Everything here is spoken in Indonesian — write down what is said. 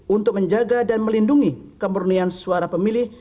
untuk menjaga dan melindungi kemurnian suara pemilih